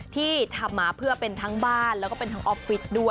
ที่ทำมาเพื่อเป็นทั้งบ้านแล้วก็เป็นทั้งออฟฟิศด้วย